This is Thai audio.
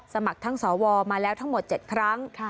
สมัครทั้งสวมาแล้วทั้งหมด๗ครั้ง